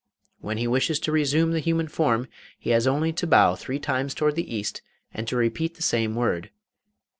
When he wishes to resume the human form, he has only to bow three times towards the east, and to repeat the same word.